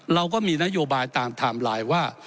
เราก็มีนโยบายตามถามรายว่า